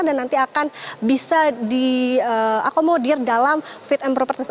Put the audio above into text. dan nanti akan bisa diakomodir dalam fit and proper test